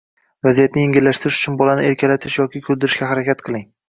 Vaziyatni yengillashtirish uchun bolani erkalatish yoki kuldirishga harakat qiling.